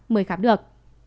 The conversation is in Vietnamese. mới khám được